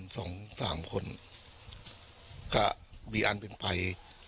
สองสามคนก็มีอันเป็นไป